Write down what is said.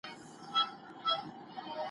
کېدای سي د کتابتون کتابونه سخت وي؟!